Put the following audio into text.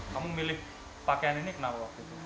kamu milih pakaian ini kenapa waktu itu